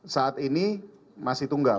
saat ini masih tunggal